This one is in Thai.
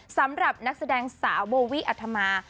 สำหรับนักแสดงสาวโบวี่อัธมา